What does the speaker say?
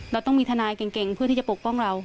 เราต้องมีทนายเก่งเพื่อที่จะปกป้องเรา